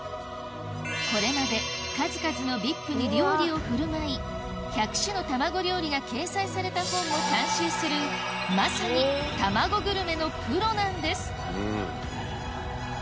これまで数々の１００種の卵料理が掲載された本も監修するまさに卵グルメのプロなんです